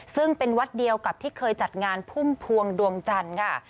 ซึ่งเป็นวัดเดียวกับที่เคยจัดงานพุ่มพวงดวงจันทร์ค่ะ